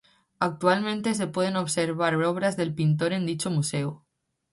Actualmente, se pueden observar obras del pintor en dicho museo.